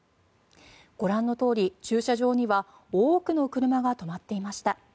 ご覧のとおり駐車場には多くの車が止まっていました。